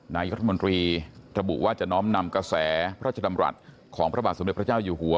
นายกรัฐมนตรีระบุว่าจะน้อมนำกระแสพระราชดำรัฐของพระบาทสมเด็จพระเจ้าอยู่หัว